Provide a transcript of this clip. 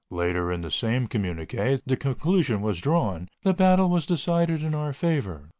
Later in the same communiqué the conclusion was drawn: "The battle was decided in our favor."